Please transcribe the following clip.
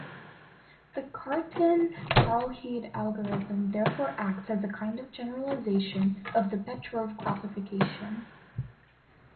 The Cartan-Karlhede algorithm therefore acts as a kind of generalization of the Petrov classification.